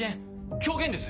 狂言です。